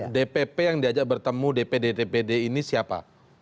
dpp yang diajak bertemu dpd dpd ini siapa